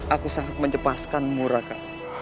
aku sangat mencemaskanmu raka